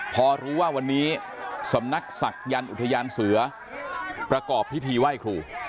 พอรู้ว่าวันนี้สำนักศักยันต์อุทยานเสือประกอบพิธีไหว้ครู